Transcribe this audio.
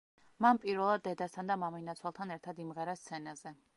მან პირველად დედასთან და მამინაცვალთან ერთად იმღერა სცენაზე.